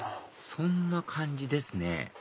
そんな感じですね